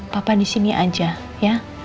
papan di sini aja ya